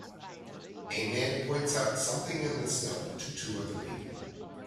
A man points out something in the snow to two other people